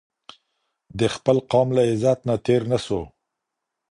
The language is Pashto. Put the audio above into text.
د خپل قام له عزت نه تېر نه سو